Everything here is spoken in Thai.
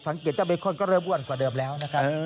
สังเกตเจ้าเบโครก็เริ่มอ้วนกว่าเดิมแล้วนะครับ